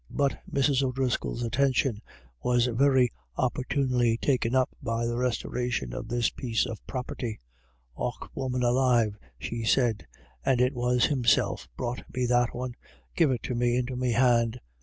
But Mrs. O'Driscoll's attention was very oppor tunely taken up by the restoration of this piece of property. u Och, woman alive," she said, " and it HERSELF. i6i was Himself brought me that one — give it to me into me hand.